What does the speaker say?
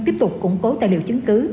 tiếp tục củng cố tài liệu chứng cứ